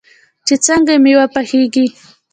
چې څنګه میوه پخیږي.